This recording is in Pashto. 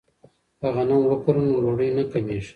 که غنم وکرو نو ډوډۍ نه کمیږي.